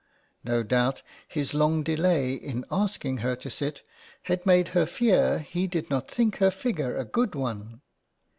No doubt his long delay in asking her to sit had made her fear he did not think her figure a good one.